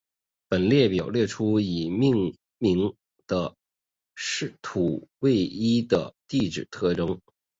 本表列出已命名的土卫一的地质特征。